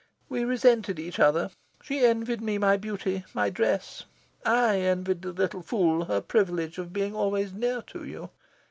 We resented each other. She envied me my beauty, my dress. I envied the little fool her privilege of being always near to you.